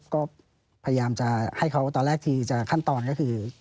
ก็พยายามจะให้เขาตอนแรกที่จะขั้นตอนก็คือ